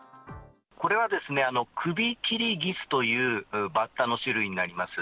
これはクビキリギスというバッタの種類になります。